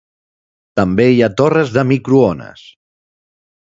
També hi ha torres de microones.